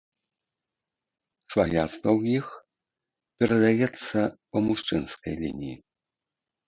Сваяцтва ў іх перадаецца па мужчынскай лініі.